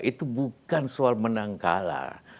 itu bukan soal menang kalah